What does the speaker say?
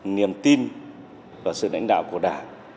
niềm tin vào sự đánh đạo của đảng